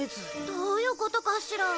どういうことかしら？